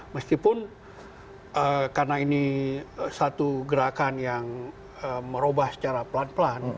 meskipun karena ini satu gerakan yang merubah secara pelan pelan